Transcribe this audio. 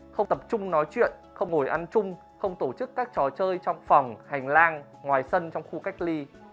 không tập trung nói chuyện không ngồi ăn chung không tổ chức các trò chơi trong phòng hành lang ngoài sân trong khu cách ly